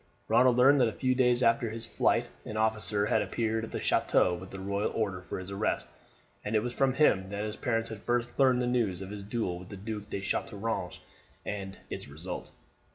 Ronald learned that a few days after his flight an officer had appeared at the chateau with the royal order for his arrest, and it was from him that his parents had first learned the news of his duel with the Duke of Chateaurouge and its result.